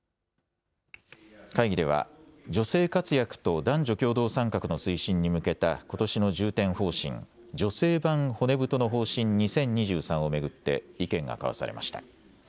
会議では女性活躍と男女共同参画の推進に向けたことしの重点方針女性版骨太の方針２０２３を巡って意見が交わされました。